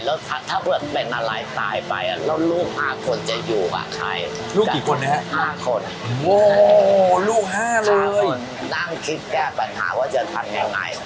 แล้วถ้าเผื่อเป็นอะไรตายไปอ่ะแล้วลูกหาคนจะอยู่กับใคร